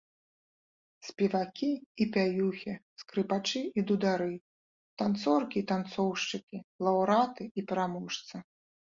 Спевакі і пяюхі, скрыпачы і дудары, танцоркі і танцоўшчыкі, лаўрэаты і пераможцы!